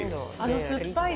酸っぱい。